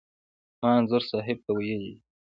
ما انځور صاحب ته ویلي و.